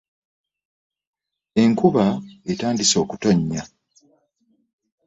Enkuba etandise okutonnya.